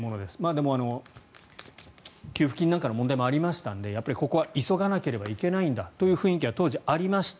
でも、給付金なんかの問題もありましたのでここは急がなければいけないんだという雰囲気は当時ありました。